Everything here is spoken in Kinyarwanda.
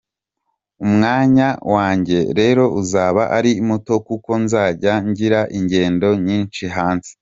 Umwanya wanjye rero uzaba ari muto kuko nzajya ngira ingendo nyinshi hanze.